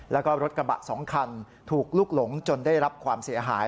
แล้วก็รถกระบะ๒คันถูกลุกหลงจนได้รับความเสียหาย